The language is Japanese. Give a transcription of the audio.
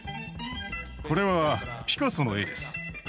これはピカソの絵です。